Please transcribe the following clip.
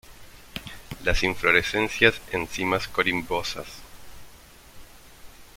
Las inflorescencias en cimas corimbosas.